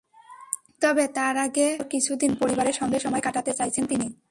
তবে, তার আগে আরও কিছুদিন পরিবারের সঙ্গে সময় কাটাতে চাইছেন তিনি।